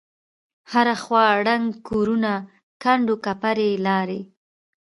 هره خوا ړنگ کورونه کند وکپرې لارې.